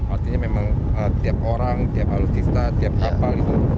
artinya memang tiap orang tiap alutsista tiap kapal itu